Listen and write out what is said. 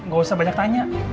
gak usah banyak tanya